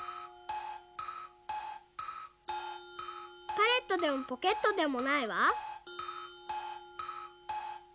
「パレット」でも「ポケット」でもないわ。